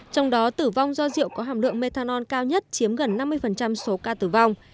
trong đó tử vong do rượu có hàm lượng methanol cao nhất chiếm gần năm mươi số ca tử vong